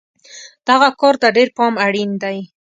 دغه کار ته ډېر پام اړین دی.